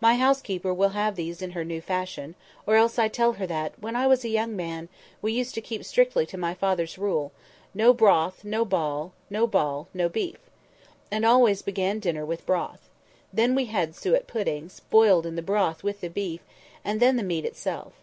"My housekeeper will have these in her new fashion; or else I tell her that, when I was a young man, we used to keep strictly to my father's rule, 'No broth, no ball; no ball, no beef'; and always began dinner with broth. Then we had suet puddings, boiled in the broth with the beef: and then the meat itself.